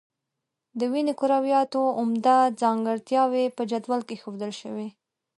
د وینې کرویاتو عمده ځانګړتیاوې په جدول کې ښودل شوي.